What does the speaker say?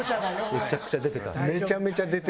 めちゃめちゃ出てたやん。